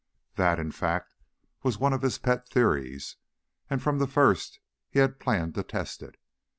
That, in fact, was one of his pet theories and from the first he had planned to test it.